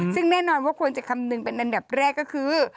ซึ่งแน่นอนว่าควรจะคำนึงเป็นอันดับแรกก็คือ